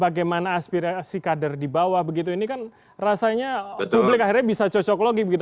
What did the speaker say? bagaimana aspirasi kader di bawah begitu ini kan rasanya publik akhirnya bisa cocok lagi begitu